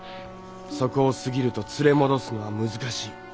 そこを過ぎると連れ戻すのは難しい。